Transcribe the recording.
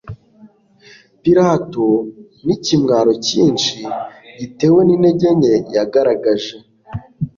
Pilato, n'ikimwaro cyinshi gitewe n'intege nke yagaragaje,